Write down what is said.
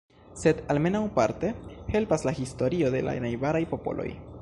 Sed, almenaŭ parte, helpas la historio de la najbaraj popoloj.